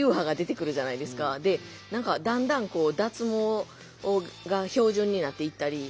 だんだん脱毛が標準になっていったり。